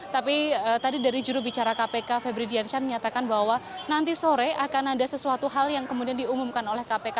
tapi tadi dari jurubicara kpk febri diansyah menyatakan bahwa nanti sore akan ada sesuatu hal yang kemudian diumumkan oleh kpk